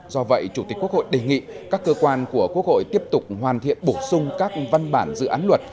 do vậy chủ tịch quốc hội đề nghị các cơ quan của quốc hội tiếp tục hoàn thiện bổ sung các văn bản dự án luật